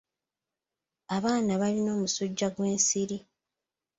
Abaana balina omusujja gw'ensiri.